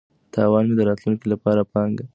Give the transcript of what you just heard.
تاوان مې د راتلونکي لپاره پانګه کړه.